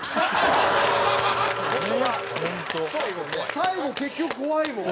最後結局怖いもん。